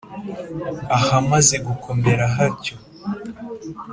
ahamaze gukomera hatyo.